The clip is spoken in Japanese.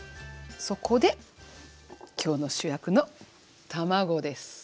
そこで今日の主役の卵です。